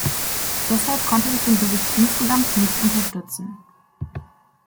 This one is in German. Deshalb konnte ich den Bericht insgesamt nicht unterstützen.